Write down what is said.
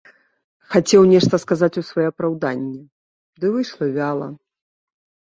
Хацеў нешта сказаць у сваё апраўданне, ды выйшла вяла.